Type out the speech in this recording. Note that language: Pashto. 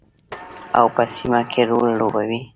او په سیمه کې رول لوبوي.